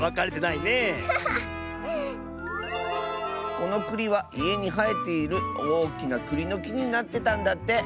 このくりはいえにはえているおおきなくりのきになってたんだって。